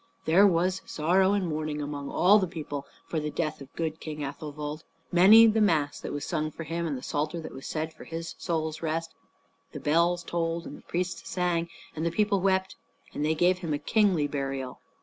There was sorrow and mourning among all the people for the death of good King Athelwold. Many the mass that was sung for him and the psalter that was said for his soul's rest. The bells tolled and the priests sang, and the people wept; and they gave him a kingly burial.